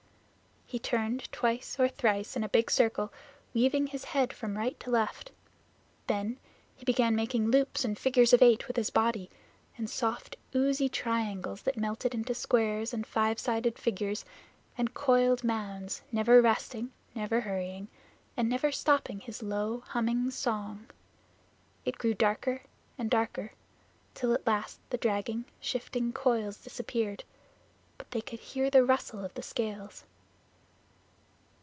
He turned twice or thrice in a big circle, weaving his head from right to left. Then he began making loops and figures of eight with his body, and soft, oozy triangles that melted into squares and five sided figures, and coiled mounds, never resting, never hurrying, and never stopping his low humming song. It grew darker and darker, till at last the dragging, shifting coils disappeared, but they could hear the rustle of the scales.